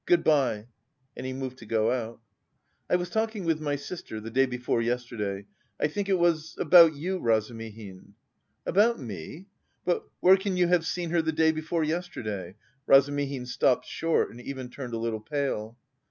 Good bye!" And he moved to go out. "I was talking with my sister the day before yesterday, I think it was about you, Razumihin." "About me! But... where can you have seen her the day before yesterday?" Razumihin stopped short and even turned a little pale.